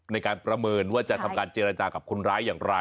ในการประเมินว่าจะทำการเจรจากับคนร้ายอย่างไร